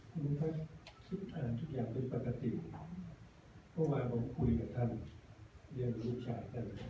คุณค่ะอ่านทุกอย่างเป็นปกติเพราะว่าผมคุยกับท่านเรียกลูกชายท่าน